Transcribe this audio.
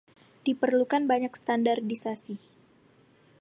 Diperlukan banyak standardisasi.